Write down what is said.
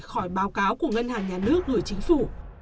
khỏi báo cáo của ngân hàng nhà nước gửi chính phủ